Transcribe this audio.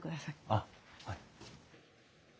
あっはい。